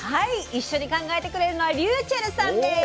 一緒に考えてくれるのはｒｙｕｃｈｅｌｌさんです。